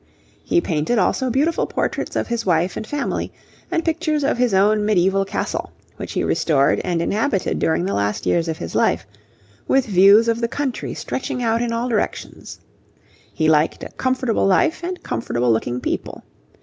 He painted also beautiful portraits of his wife and family, and pictures of his own medieval castle, which he restored and inhabited during the last years of his life, with views of the country stretching out in all directions. He liked a comfortable life and comfortable looking people.